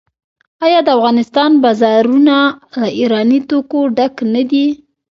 آیا د افغانستان بازارونه له ایراني توکو ډک نه دي؟